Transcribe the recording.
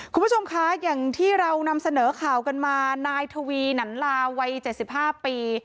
คุณผู้ชมคะอย่างที่เรานำเสนอข่าวกันมานายทวีหนันลาวัย๗๕ปี